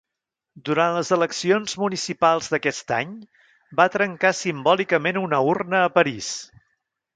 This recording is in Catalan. Durant les eleccions municipals d'aquest any va trencar simbòlicament una urna a París.